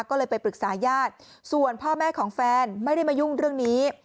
ก็เลยไปปรึกษาญาติส่วนพ่อแม่ของแฟนไม่ได้มายุ่งเรื่องนี้